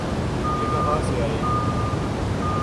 یہ کہاں سے آئے گی؟